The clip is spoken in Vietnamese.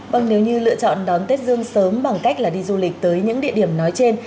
vâng nếu như lựa chọn đón tết dương sớm bằng cách là đi du lịch tới những địa điểm nói trên